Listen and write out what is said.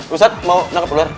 ustaz mau nangkep ular